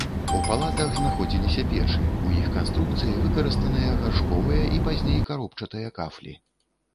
У палатах знаходзіліся печы, у іх канструкцыі выкарыстаныя гаршковыя і пазней каробчатыя кафлі.